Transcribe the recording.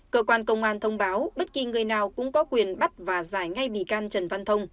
cơ quan công an thông báo bất kỳ người nào cũng có quyền bắt và giải ngay bị can trần văn thông